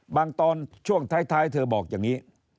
ตอนช่วงท้ายเธอบอกอย่างนี้